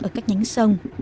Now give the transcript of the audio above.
ở các nhánh sông